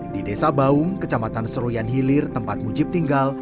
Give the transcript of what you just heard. di desa baung kecamatan seroyan hilir tempat mujib tinggal